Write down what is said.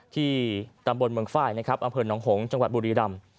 ที่ตำบลเมืองฝ้ายอเมืองหนองหงชบุรีรำ